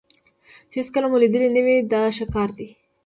چې هېڅکله مو لیدلی نه وي دا ښه کار دی.